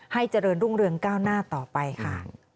เจริญรุ่งเรืองก้าวหน้าต่อไปค่ะ